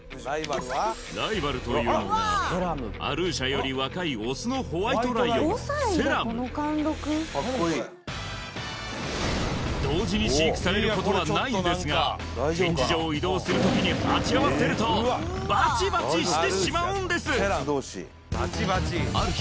ライバルというのがアルーシャより若いオスのホワイトライオンセラム同時に飼育されることはないんですが展示場を移動するときに鉢合わせるとバチバチしてしまうんですある